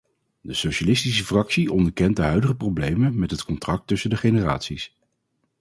De socialistische fractie onderkent de huidige problemen met het contract tussen de generaties.